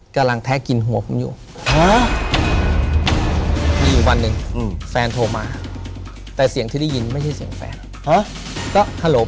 กำลังแทะกินหัวผมอยู่